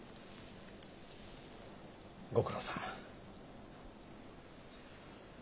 ご苦労さん。